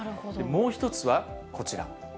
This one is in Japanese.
もう１つはこちら。